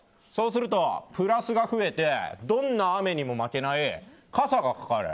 すると、プラスが増えてどんな雨にも負けない傘がかかる。